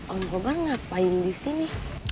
om kobar ngapain di sini